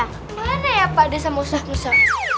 gimana ya pak de sama ustaz musa